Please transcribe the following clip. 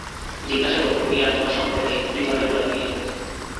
জিজ্ঞাসা করুন তুমি আর তোমার সংগঠন এই কী ধরনের গোঁড়ামি নিয়ে চলতেছো?